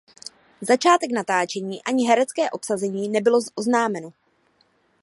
Začátek natáčení ani herecké obsazení nebylo oznámeno.